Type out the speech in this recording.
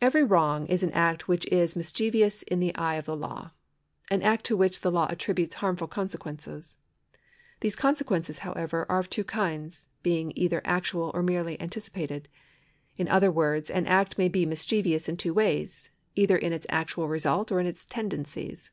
Eveiy wrong is an act which is mischievous in the eye of the law — an act to which the law attributes harmful conse quences. These consequences, however, are of two kinds, being either actual or merely anticipated. In other words, an act may be mischievous in two ways — either in its actual results or in its tendencies.